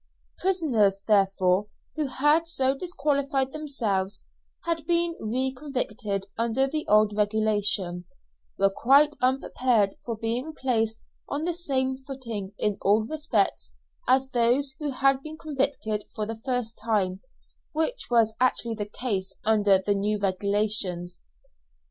Prisoners, therefore, who had so disqualified themselves, and had been re convicted under the old regulation, were quite unprepared for being placed on the same footing in all respects as those who had been convicted for the first time, which was actually the case under the new regulations.